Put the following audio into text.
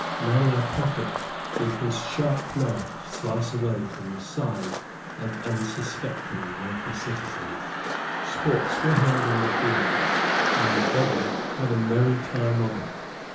Many a pocket did his sharp knife slice away from the side of unsuspecting wealthy citizens. Sports were held in the fields, and the beggar had a merry time of it.